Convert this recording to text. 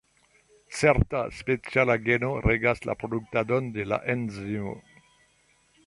Certa speciala geno regas la produktadon de la enzimo.